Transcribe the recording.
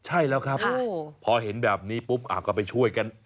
ใช่แล้วครับพอเห็นแบบนี้ปุ๊บก็ไปช่วยกัน